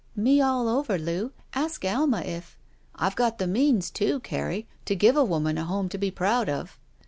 Me all over, Loo. Ask Alma if —'* I've got the means, too, Carrie, to give a woman a home to be proud of."